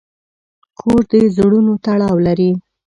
کور د زړونو تړاو لري.